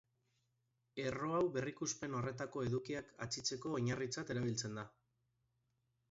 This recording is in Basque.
Erro hau berrikuspen horretako edukiak atzitzeko oinarritzat erabiltzen da.